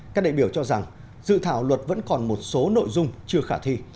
các đại biểu cho rằng dự thảo luật vẫn còn một số nội dung chưa khả thi